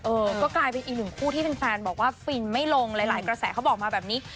เออก็กลายเป็นอีกหนึ่งคู่ที่แฟนบอกว่าฟินไม่ลงหลายกระแสเขาบอกมาแบบนี้